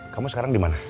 kamu sekarang dimana